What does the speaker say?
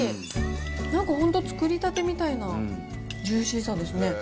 なんか本当、作りたてみたいなジューシーさですね。